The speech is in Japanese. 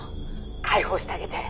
「解放してあげて」